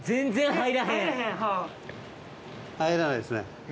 入らないですね。